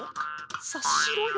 さっしろよ。